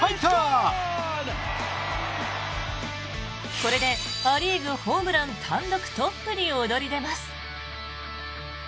これでア・リーグホームラン単独トップに躍り出ます。